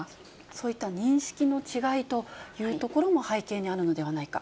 そういった認識の違いというところも背景にあるのではないか。